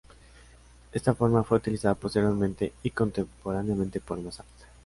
Esta forma fue utilizada posteriormente y contemporáneamente por Mozart.